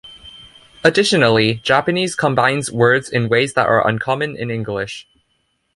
Additionally, Japanese combines words in ways that are uncommon in English.